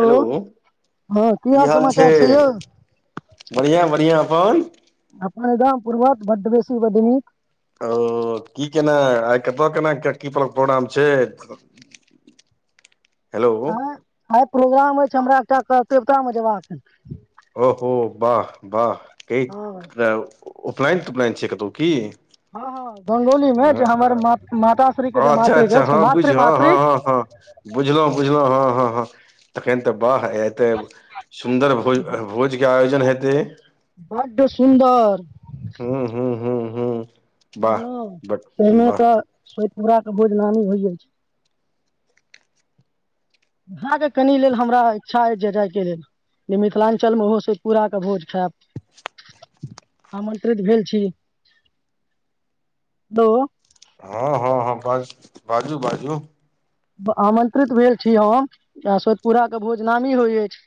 Hello की हाल छै बढ़िआँ -बढ़िआँ। हन। [unintelligible] अपन एकदम पूर्वज बड बेसी ब नीक। ओ की केना आइ कतऽ केना की प- प्रोग्राम छै। [unintelligible] हँ आ। [unintelligible] प्रोग्राम हो छै हमरा एकटा- देवतामे जेयबाक। [unintelligible] ओहो वाह -वाह। क। [unintelligible] उपनयन त उपनयन छैिय कतौ की। हँ -हं। हँ के जे अच्छा- मातृक अच्छा अछि हँ बुझ मातृ हँ -हँ मातृक हँ -हँ बुझलहुँ -बुझलहुँ हँ -हँ हँ। तखन तऽ। [unintelligible] वाह एते सुन्दर भोज -भोज -के आयोजन। न हेतै। [unintelligible] बढ़ड सुन्दर। [unintelligible] हूं- हूं - हूं। हँ। [unintelligible] बझँ तहिमे तऽ। [unintelligible] हमरा के बोदनाामी होइ जाइ छै। [unintelligible] अहाँके कनि लेल हमरा इच्छा अछिइ जे जायके लेल जे मिथिलाञ्चलमे ओहो छै सोत पूराके भोज खायब। आमन्त्रित भेल छी [unintelligible] तो। हँ- हँ -हँ बस बाजू -बाजू। [unintelligible] आमन्त्रित भेल छी हम आ सदपुराके भोज नमी होइ अछि।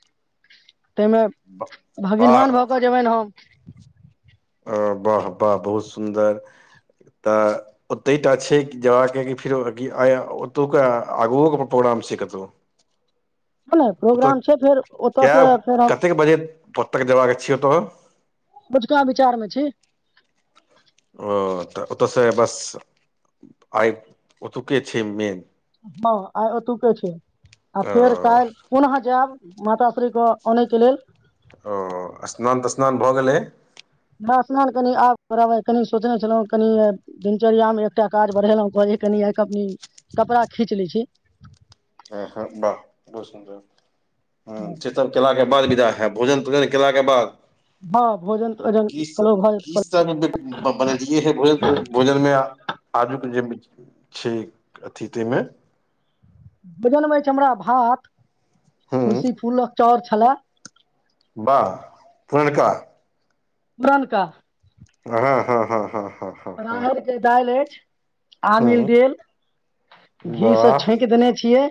[unintelligible] ताहिमे भगीिनवान वाह भऽ कऽ जेबनि हम। ह वाह -वाह बहुत सुन्दर तऽ ओतहि टा छै जयबाके कि फेरो -आइ ओतुका आगुओके प्रोग्राम छै कतहु। नहि- नहि ओतय प्रोग्राम छै फेर ओतयसँ फेर हम। पताक देबाके छियौ तऽ। [unintelligible] बझुका विचारमे छै। [unintelligible] ओ तऽ ओतयसँ बस -आइ- ओतु्के छै मेन। हँ आ तू के छै। आ ओ फेर काल कोन जायब माताश्री को आनैके लेल ओ स्नान त स्नान भऽ गेलै। स्नान कनि आब करब कनि सोचने छलहुँ कनि दिनचर्यामे एकटा काज बढ़ेलहुं कहै कनि आ क कपड़ा खींच लै छी। आ हँ वाह र सुन्दर। ह च केलाके बाद विदा है भोजन। बुझल ने केलाके बाद। हँ भोजन तोजन किस कहलहुँ भऽ जेतै किस्त बनेलियए है भोजन भोजन मे आजू के छै अथि ताहिमे। जनबै छै हमरा भात ह तुलसी फूलक चर छै। हेलो। वाह पणनका। बुरानका। हँ हँ हँ हँ। हँ हँ हँ दले [unintelligible] आमिल हँ गेल घी से वाह छौक देने छियै।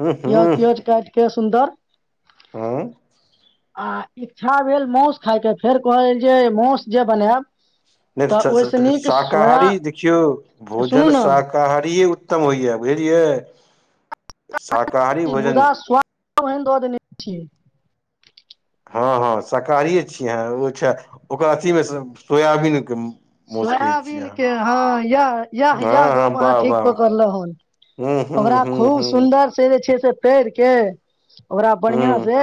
हूँ क तज काज क सुन्दर। आँ। आ इच्छा भेल मासु खाायके फेर कहल जे मासु जे बनायब नि्च तऽ ओहिसँ नीक सोया शाकाहारी देखियौ सुनू भोजन ने शाकाहार उत्तम होए बुझलियै। शाकाहारी ई भोजन मुदा स्वाद ओहन दआ देने छ। हँ हँ शाकाहारिये छियै अहाँ ओ छै ओकर अथीमे सोयाबीनके मौस कहै छियै सोयाबीन अहाँ के हँ इएह इएह इएह हँ हँ गप अहाँ वाह ठीक वाह पकड़लहुँ हन। हम्म हम्म ओकरा हम्म खूब सुन्दर से छै से पेड़ के ओकरा बढ़िआ हम्म से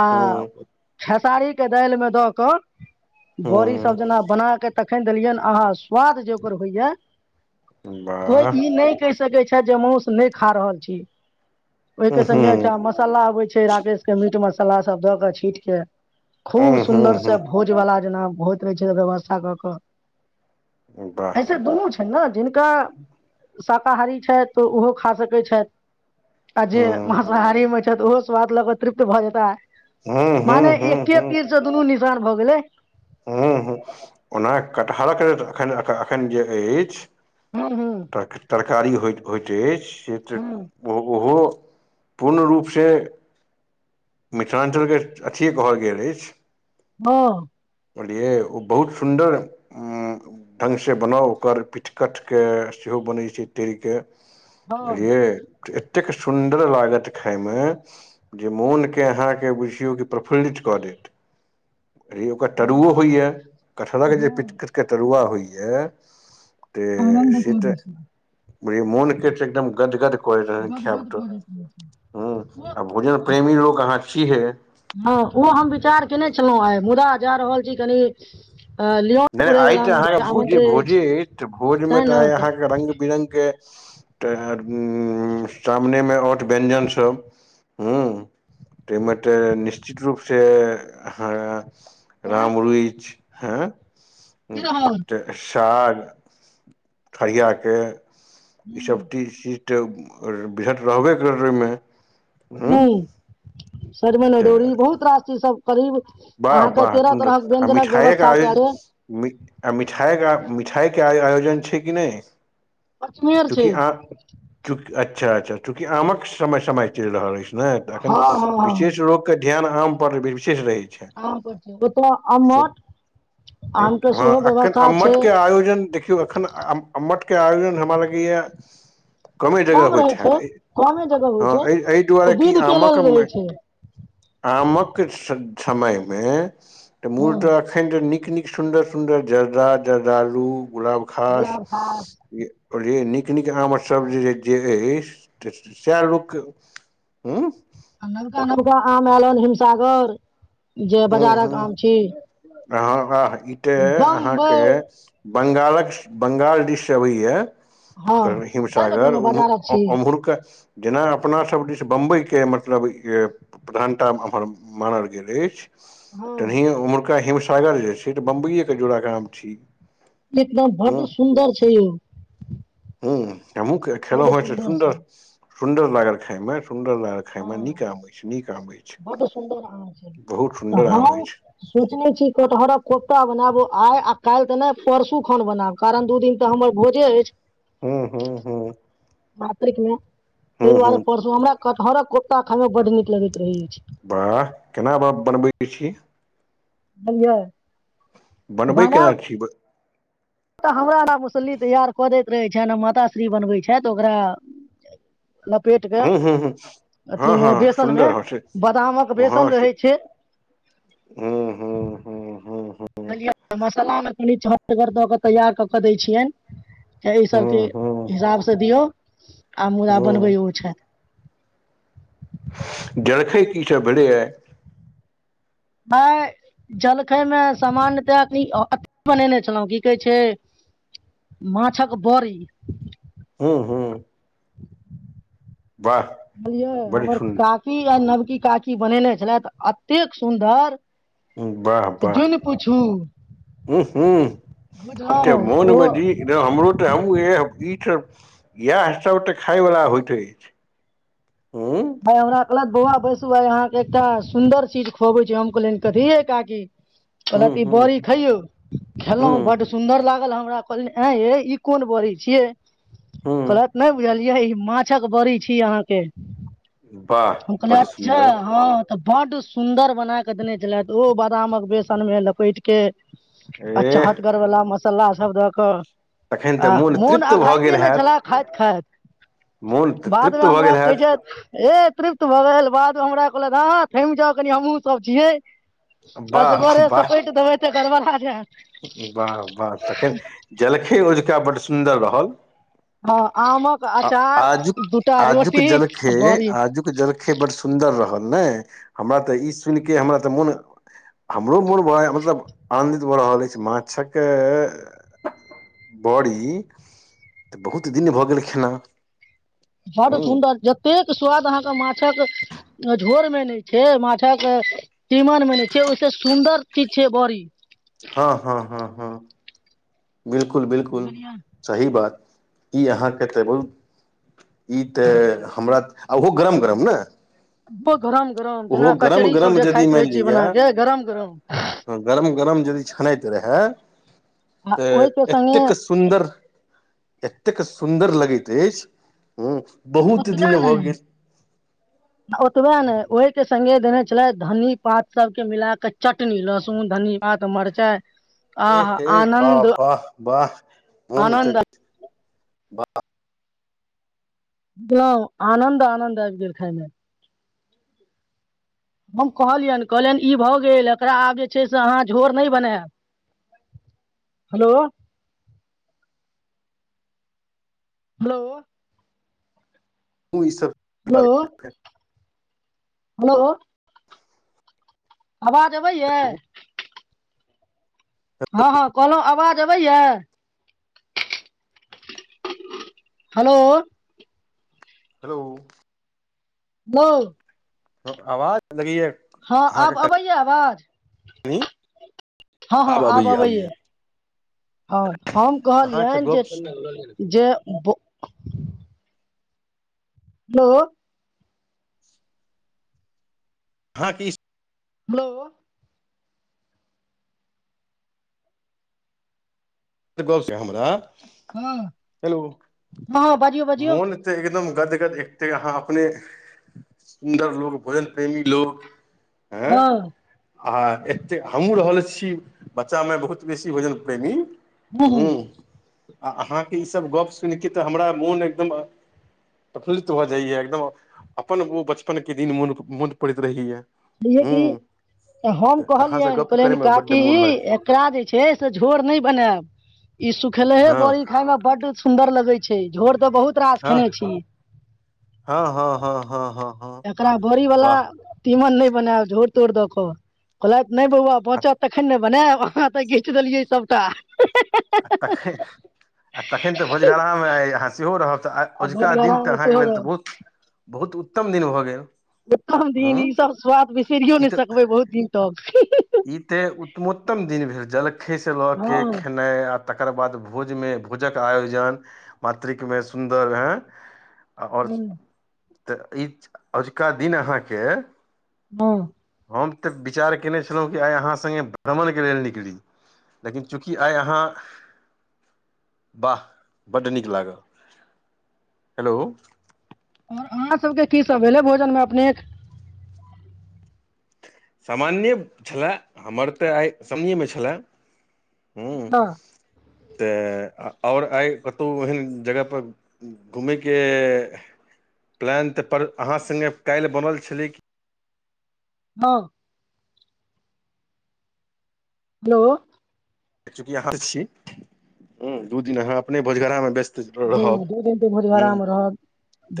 आ हम्म खेसारीके दालिमे दऽ कऽ बड़ी सब हम्म जेना बना के तक खान देलियनि अहाँ स्वाद जे ओकर होइए। वाह को ई नहि क सै छै जे मासस नहि खा रहल छी। हम्म ओहिके संगगे हम्म अच्छा मसाला आबै छै। छै राकेश के मीट मसाला सब द के छीट के खूब सुन्दर से भोज बला जेना होइत रहै छै त व्यवस्था कऽ कऽ वाह ऐसे दोनो छै ने जिनका शाकाहारी छै तऽ ओहो खा सकैत छथि आ जे हम्म मांसाहारी मे छथि ओहो स्वाद लऽ कऽ तृप्त भऽ जेता। हँ हू हू। तीर से दुनू निशान भऽ गेलै हम्म ओना कटहरक लेल एखन एखन जे अछि। हूं हूं तर तरकारी होइत होइत अछि से त हूं ओ ओहो। पूर्ण रूपसँ मिथिलाञ्चलके अथिए कहल गेल अछि। हँ। बुझलियै ओ बहुत सुन्दर ढङ्गसँ बनाउ ओकर पिठकठके सेहो बनैत छै टेरके हँ बझियए। एतेक सुन्दर लागत खायमे जे मोन अहाँके बुझियौ कि प्रफुल्लित कऽ देेत। अ ओकर हमरा तरुओ होइया कटहर के जे हँ प के तरुआ होइया। आ। त आनन्द सीट करै छै मोने एकदम गदगद रह ख्यब गदगद त भऽ जाइत रहै ह छै आ भोजन ओ प्रेमी लोक अाछी है। हँ ओ हम विचार केने छलहुँ आइ मुदा जा रहल छी कनि अ, लियोन नहि आइ पुरैवला तऽ मे अहाँके जे भोजे आमन्त्रण अछि भोजे तऽ भोजमे तेँ तऽ ने आइ अहाँके रंगग बिरङ्गके तऽ सामनेमे आर्थ व्यञजनसभ ह ताहिमे तऽ निश्चित रूपसँ अ तोरा राम रुइच। हँ। ह की रहल त। साग ठरआाके। ई सबबटीसी। तऽ -वृहत रहबे करै ओहिमे। हूं। मूँग सजमनि अदौरी बहुत रास छै सब करीब वाह अहाँके वाह तेरह तु तरहक आ व्यंजनक मिठाएगा व्यवस्था कयल अछि आ मिठाएगा छैइके आयोजन छै कि नहि। अजमेर छै ककि अह -च। अच्छा -अच्छा चूँकि आमक समय- समय चलि रहल अछि। नहिऽ एन हँ हँ हँ -विशेष रोगके। ध्यान आम पर विशेष रहै छै। आम पर छै ओतऽ सु अम्मट हँ आम के सेहो -एखन व्यवस्था छै अमठ के आयोजन देखियौ एखन- अमठ। आयोज न हमरा लगे। गए। [unintelligible] कमे जगह कम रहै होइत हत छै कमे जगह होइ हँ छै एहि- एहि ओ दुआरे कि विध के लेल आमक- रहै छै आमक। [unintelligible] कि समय मे। तऽ हँ मूल तऽ एखन त निक -निक। सुन्दर -सुन्दर जर्दा -जर्दालु। गुलाब घास। गुलाब खास [unintelligible] बै नीक -नीक आमके सब्ज जे अछि तऽ सएह लोकके हँ। नलका -नलका आम एलन हिमसागर। जे हूँ बाजारक हूँ आम छी अहाँ आह ई [unintelligible] तऽ अहाँके बम्बई। बंगालक -ब्ंगाल डिश अबैया। हँ कर सैह ने हिमसागर कहलौं बाजारक छी -उमहरके। जेना अपनासभ दिस बम्बइके मतलब प्रधानता एम्हर मानल गेल अछि। [unintelligible] हँ तनी उमर। ा हिमसागर जे छै तऽ बम्बइए के जोड़ काम छी। एकदम हँ बड्ड सुन्दर छै। [unintelligible] हूँ। [unintelligible] एमो खेलो बड्ड -ह त सुन्दर। छै सुंन्दर लागल खाायमे। हँ अछि बड सुन्दर अ छै बहुत सुन्दर तऽ आम हम अछि सोचने छी कटहरक। कोफ्ता बनाब आइ आ काल्हि तऽ नहि परसू खन बनाब कारण दू दिन। तऽ हमर बोझे अछि। हूँ हूँ हूँ [unintelligible] मातकमे। [unintelligible] तै हूँ हूँ दुआरे परसु हमरा कत पारा कुता खाय मे बड नीक लगैत रही। वाह -केना बाप बनबै छीिय। बिा। [unintelligible] बनबै केना छी? ब त हमरा ना मुसल्ली तैयार क' देत। रहै छ ने माताश्री बनबै छैथ, ओकरा लपेट कऽ हुं हुं हुं, हां अथी मे हां बेसन मे सुन्दर होइ छै, बादामक हां बेसन रहै से छै हुं हुं हुं हुं। बुझलियै, मसल्लामे कनि चहटगर द' क' तैयार क' के दै छियनि। त इ हूं सबके हूं हिसाबसे दियौ। ह आ मुदा बनबै हूं ओ छथि। जलखै की सब भेलैये। आइ जलखैमे सामान्यतया कनी अथि बनेने छलहुं, की कहै छै माछक बड़ी। हुं हुं। बुझलियै, बड़ हमर सुन्दर काकी आ नव की काकी बनेने छलथि, अतेक सुन्दर वाह से वाह, जुनि पूछू हुं हुं, बुझलौं इ त ओ मोनमे जी हमरो त हम एह इ छै, इएह सब त खायवला होइत अछि। हूं दाइ हमरा कहलक बौआ बैस त आइ अहांके एकटा सुन्दर चीज खुआबै छी, त हम कहलियनि, कथि यै काकी? हूं कहलथि इ हूं बड़ी खैयौ, हूं खेलहुं, बड सुंदर लागल हम हुनका कहलियनि एं यै इ कोन बड़ी छियै? हूं कहलैथ नहि बुझलियै माछक बड़ी छी अहांके। वाह, बड सुन्दर। त बड सुन्दर बना के देने छलथि ओ, बदामक बेसन मे लपेट के आ एह चहटगरवला म मसल्ला सब द क तखन तऽ आह मोन तृप्त भऽ अघैते गेल नै हैत छलय खाइत खाइत, मोन तऽ बादमे तृप्त भऽ हमरा गेल कहै हैत छैथ एह तृप्त भ गेल, बाद हमरा कहलथि हां हां थमि जाउ कनि हमहुं सब छियै। असगरे सपैट देबै त गड़बड़ा जैत बाह बाह तखन जलखै में तें बड्ड सुन्दर रहल हँ आमक आ अचार आजुक दूटा आजुक रोटी आ जलखै, बड़ी आजुक जलखै बड सुन्दर रहल। नै, हमरा त इ सुनिके, हमरा त मोन, हमरो मोन नै ओ सब आन भ रहल अछि, माछक बड़ी त बहुत दिन भ गेल छला बड्ड सुन्दर, जतेक स्वाद अहाँक माछक झोर मे नहि छै माछक तीमन मे नहि छै ओहिसे सुन्दर चीज छै बड़ी बिलकुल बिलकुल सही बात ई अहाँके तऽ [unintelligible] ई तऽ हमरा आ ओहो गरम गरम ने [unintelligible] गरम गरम जेना ओहो गरम कचरी सब गरम जे यदि खाइत रहै मानि छियै बना लिअ के गरम गरम त रहै आ तेऽ ओहिके संगे एतेक सुन्दर एतेक सुन्दर लगैत अछि ह आ बहुत ओतबे दिन भऽ नहि गेल आ ओतबै नै ओहि के संगे देने छलैथ धनीपात सब के मिलाक चटनी लहसुन, धनीपात, मरचाई ए हे बाह बाह बाह मन त आनन्द पुलाव आनन्द आनन्द आबि गेल खाइमे हम कहलियनि कहलियनि ई भऽ गेल एकरा आब जे छै से अहाँ झोर नहि बनैब। हेलो हेलो ई सब हलो हेलो आवाज अबैयै हँ हँ कहलहु आवाज अबैयै हलो हेलो हलौ अव आवाज लगैयै हँ, आब अबैया आवाज? कनि हँ हँ आब अबैया। हँ हम अहाँके कहलियनि जे गप जे बो हेलो हाँ कि हेलो गसँ हमरा हँ हेलो हँ बाजियौ बाजियौ मोन त एकदम गद गद, एक त अहाँ अपने सुंदर लोग बड प्रेमी लोग हँ आ एते हमहूँ रहल छी बच्चामे बहुत बेसी भोजन प्रेमी हूं हूं हूँ आ अहाँके ईसभ गप्प सुनि के तऽ हमरा मोन एकदम प्रफुल्लित भऽ जाइए एकदम अपन ओ बचपनके दिन मोन मोन पड़ैत रहैए। बुझे कि हूँ हम तऽ अहाँसँ कहलियनि गप्प कहलियनि करयमे बड्ड काकी मोन लग एकरा जे छै से झोर नहि बनायब। इ सुूखेलेहे हँ बड़ी खााय में बड सुंदर लगे छैय। ए झोर तऽ बहुत रास खेने हँ छी हँ हँ हँ हँ हँ एकरा बरी वला वाह तिमन नहि बनाएब झोर तोर देखल, कहला कि नहि बौआ आ बचत तखन ने बनाएब अहाँ तऽ घीच देलियै सभटा। आ तखन आ तखन तऽ भोजगरामेइ अहाँ सेहो रहब। त आइ ओजका दिन भोरगरामे त अहांक सेहो लेल त रहब बहुत त बहुत उत्तम दिन भऽ गेल। उतम दिन हूँ ई सब स्वाद बिसरिियो ई नहि तऽ सकबै बहुत दिन तक। ई ते उतमोत्तम दिन भेल जलखैस लऽ के हँ खेनाइ आ तकर बाद भोज भोजक आयोजन मातृकमेर सुंदर ए आ और हँ तऽ ई अजुका दिन अहाँके हँ हम तऽ विचार कयने छलहुँ कि आइ अहाँ सङ्गे भ्रमणके लेल निकली लेकिन चूँकि आइ अहाँ वाह बड नीक लागल हेलो और अहाँ सभके की सभ भेलै भोजनमे अपनेक। सामान्ये छलय हमर तऽ आइ समन्येमे छलय। हँ तऽ आ और आइ कतहु ओहन जगहपर घूमयके प्लान तऽ पर अहाँ सङ्गे काइल बनल छलै कि हँ हेलो चूँकि अहाँ छी हूँ दू दिन अहाँ अपने भोजगरामे व्यस्त [unintelligible] रहब हँ दू दिन तऽ हूं भोजगरामे रहब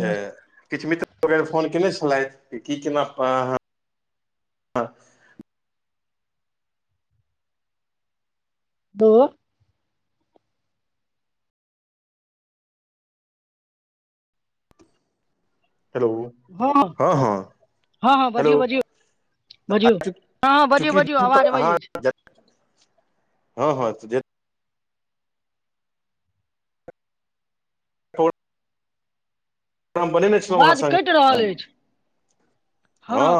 ते किछ मित्र वगैरह के फोन केने छी। की केना। [unintelligible] दूर। [unintelligible] हेलो हँ -हँ- हँ हेलो बाजियौ बाजौ तऽ बाजियौ आइ हँ -हँ बाजिय चूँकि बाजौ दिन पर आवाज अबै अहाँ अछि छै। हँ -हँ जे। ठो। [unintelligible] आवाज सङ्ग कटि रहल अछि हँ।